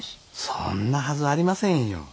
そんなはずありませんよ。